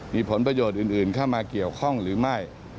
มีผลประโยชน์อื่นเข้ามาเกี่ยวข้องหรือไม่